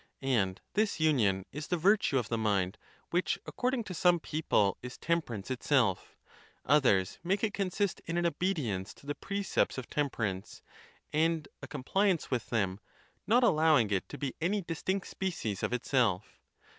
And this union is the virtue of the mind, which, according to some people, is temperance itself; others make it consist in an obedience to the precepts of temper ance, and a compliance with them, not allowing it to be ~ any distinct species of itself.